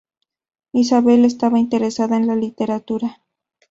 Isabel estaba interesada en la literatura.